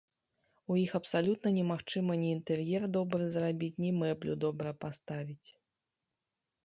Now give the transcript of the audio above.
У іх абсалютна немагчыма ні інтэр'ер добры зрабіць, ні мэблю добра паставіць.